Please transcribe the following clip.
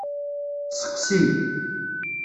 Seqsi.